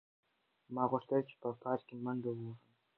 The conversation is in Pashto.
ما غوښتل چې په پارک کې منډه وهم.